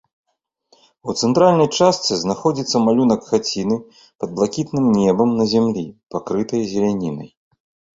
У цэнтральнай частцы знаходзіцца малюнак хаціны пад блакітным небам на зямлі, пакрытай зелянінай.